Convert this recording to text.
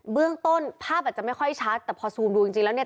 เบื้องต้นภาพอาจจะไม่ค่อยชัดแต่พอซูมดูจริงแล้วเนี่ย